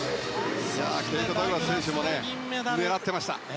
ケイト・ダグラス選手も狙っていましたね。